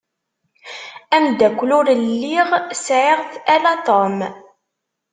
Amdakel ur lliɣ sεiɣ-t ala Tom.